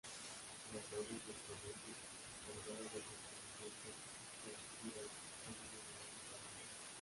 Las aguas de escorrentía cargadas de fertilizantes y plaguicidas acaban en el lago cerrado.